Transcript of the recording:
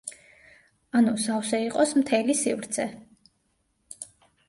ანუ, სავსე იყოს მთელი სივრცე.